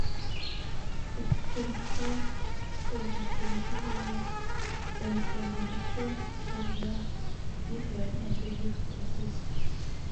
It comprised a residential area and an industrial area with wine and olive presses.